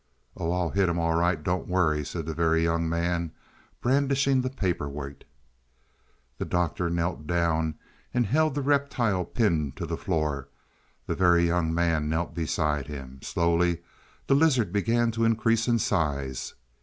"Oh, I'll hit him all right, don't worry," said the Very Young Man, brandishing the paper weight. The Doctor knelt down, and held the reptile pinned to the floor; the Very Young Man knelt beside him. Slowly the lizard began to increase in size.